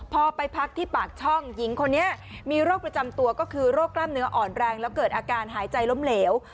พอไปพักที่ปากช่องหญิงคนนี้มีโรคประจำตัวก็คือโรคกล้ามเนื้ออ่อนแรงแล้วเกิดอาการหายใจล้มเหลว